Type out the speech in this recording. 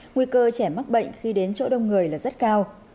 nguy cơ trẻ mắc bệnh khi đến chỗ đông người là rất cao